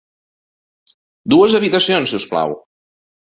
Dues habitacions, si us plau.